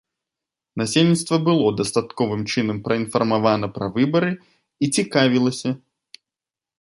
Насельніцтва было дастатковым чынам праінфармавана пра выбары і цікавілася.